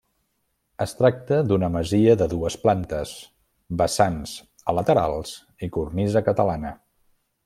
Es tracta d’una masia de dues plantes, vessants a laterals i cornisa catalana.